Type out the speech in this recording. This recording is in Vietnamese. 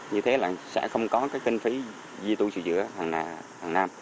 như thế là sẽ không có kinh phí di tụ trị giữa hàng năm